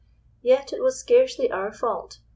Yet, it was scarcely our fault.